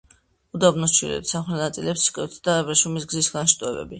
უდაბნოს ჩრდილოეთ და სამხრეთ ნაწილებს კვეთდა აბრეშუმის გზის განშტოებები.